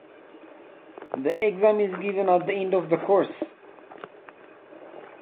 The exam is given at the end of the course.